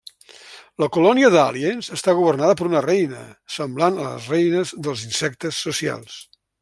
La colònia d'aliens està governada per una Reina, semblant a les reines dels insectes socials.